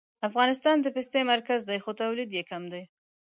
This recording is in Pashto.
افغانستان د پستې مرکز دی خو تولید یې کم دی